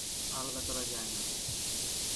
আলাদা করা যায় না।